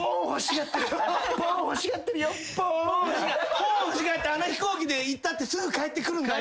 ポォーン欲しがってあの飛行機で行ったってすぐ帰ってくるんだよ。